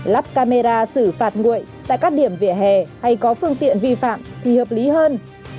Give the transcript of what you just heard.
lắp camera xử phạt nguội tại các điểm vỉa hè hay có phương tiện vi phạm thì hợp lý hơn